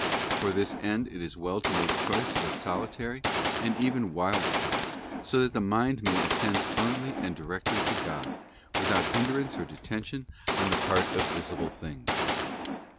For this end, een it is well to make choice of a solitary and even wild spot, so that the mind may ascend firmly and directly to God, without hindrance or detention on the part of visible things.